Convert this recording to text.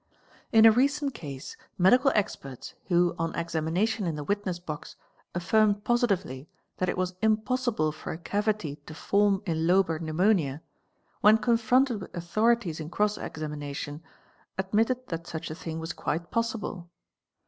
In a recent case medical experts who on ex amination in the witness box affirmed positively that it was impossible for a cavity to form in lobar pneumonia, when confronted with authorities in cross examination admitted that such a thing was quite possible.